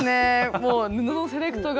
もう布のセレクトが。